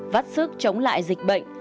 vắt sức chống lại dịch bệnh